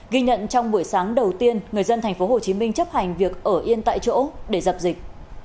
ghi nhận trong buổi sáng đầu tiên người dân thành phố hồ chí minh chấp hành việc ở yên tại chỗ để dập dịch